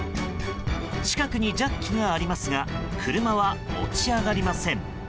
近くにジャッキがありますが車は持ち上がりません。